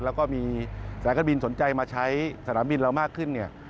แล้วก็มีสายการบินสนใจมาใช้สนามบินเรามากขึ้นเนี่ย